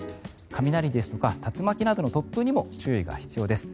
雷ですとか竜巻などの突風にも注意が必要です。